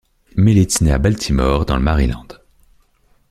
Mellits naît à Baltimore, dans le Maryland.